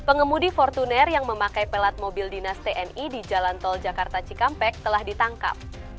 pengemudi fortuner yang memakai pelat mobil dinas tni di jalan tol jakarta cikampek telah ditangkap